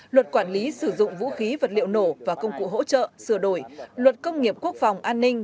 luật quản lý sử dụng vũ khí vật liệu nổ và công cụ hỗ trợ sửa đổi luật công nghiệp quốc phòng an ninh